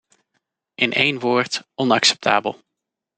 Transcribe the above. In één woord, onacceptabel.